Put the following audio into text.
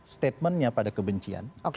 statementnya pada kebencian